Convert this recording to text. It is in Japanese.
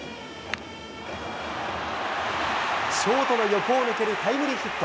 ショートの横を抜けるタイムリーヒット。